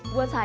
buat saya mak